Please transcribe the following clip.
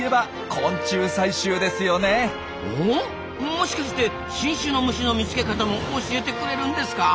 もしかして新種の虫の見つけ方も教えてくれるんですか？